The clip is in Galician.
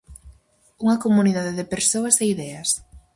Unha comunidade de persoas e ideas.